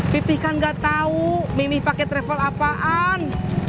pipih kan nggak tahu mimi pake travel apaan